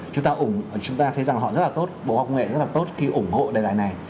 chúng ta thấy rằng họ rất là tốt bộ học nghệ rất là tốt khi ủng hộ đề tài này